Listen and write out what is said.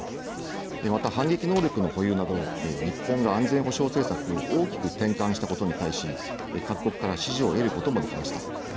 また反撃能力の保有など日本が安全保障政策を大きく転換したことに対し各国から支持を得ることもできました。